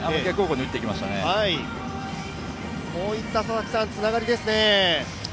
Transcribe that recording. こういったつながりですね。